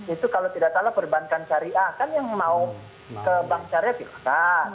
itu kalau tidak salah perbankan syariah kan yang mau ke bank syariah bisa